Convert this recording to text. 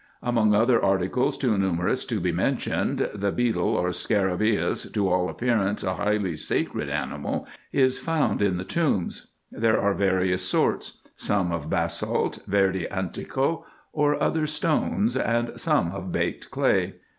Among other articles too numerous to be mentioned, the beetle, or scarabreus, to all appearance a highly sacred animal, is found in the tombs. There are various sorts ; some of basalt, verde antico, or other stones, and some of baked clay.